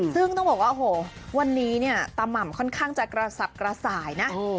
ซึ่งต้องบอกว่าโอ้โหวันนี้เนี่ยตาม่ำค่อนข้างจะกระสับกระส่ายนะ